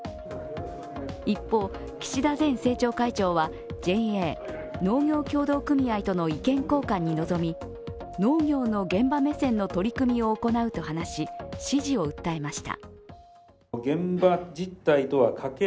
一方、岸田前政調会長は、ＪＡ＝農業協同組合との意見交換に臨み、農業の現場目線の取り組みを行うと話し、支持を訴えました。